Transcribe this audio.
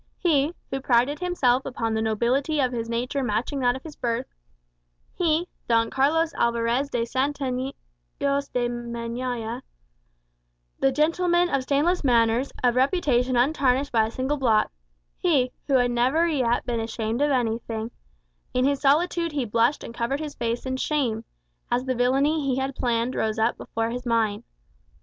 He, who prided himself upon the nobility of his nature matching that of his birth he, Don Carlos Alvarez de Santillanos y Meñaya, the gentleman of stainless manners, of reputation untarnished by a single blot he, who had never yet been ashamed of anything, in his solitude he blushed and covered his face in shame, as the villany he had planned rose up before his mind.